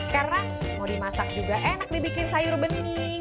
karena mau dimasak juga enak dibikin sayur bening